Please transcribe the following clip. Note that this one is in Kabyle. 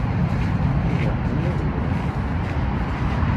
Yuba iḥemmel ad yurar.